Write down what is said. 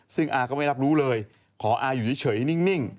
ซึ่งอาก็ไม่รับรู้เลยขออาอยู่เฉยนิ่ง